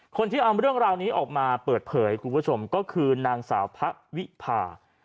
คนที่เอาเรื่องราวนี้ออกมาเปิดเผยคุณผู้ชมก็คือนางสาวพระวิพา